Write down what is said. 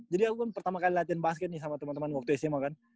jadi aku kan pertama kali latihan basket nih sama temen temen waktu sma kan